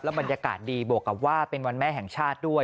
บรรยากาศดีบวกกับว่าเป็นวันแม่แห่งชาติด้วย